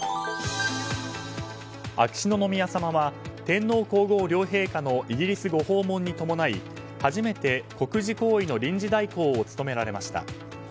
秋篠宮さまは天皇・皇后両陛下のイギリスご訪問に伴い初めて国事行為の臨時代行を務められました。